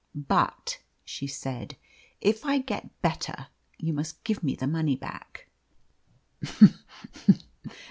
"But," she said, "if I get better you must give me the money back."